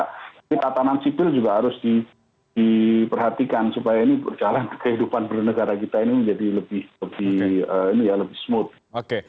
tapi tatanan sipil juga harus diperhatikan supaya ini berjalan kehidupan bernegara kita ini menjadi lebih smooth